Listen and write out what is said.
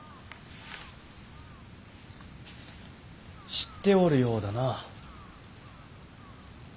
知っておるようだな。